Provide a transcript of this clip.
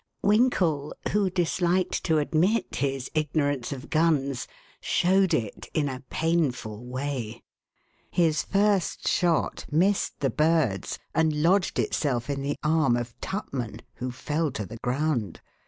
Winkle, who disliked to admit his ignorance of guns, showed it in a painful way. His first shot missed the birds, and lodged itself in the arm of Tupman, who fell to the ground.